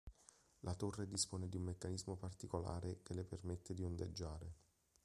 La torre dispone di un meccanismo particolare che le permette di ondeggiare.